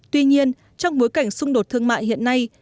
tuy nhiên trong bối cảnh xung đột thương mại hiện nay